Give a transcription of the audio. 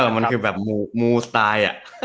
มันคือแบบมูสไตล์